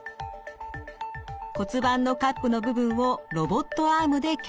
骨盤のカップの部分をロボットアームで削ります。